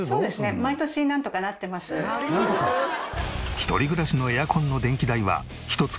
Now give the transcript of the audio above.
一人暮らしのエアコンの電気代はひと月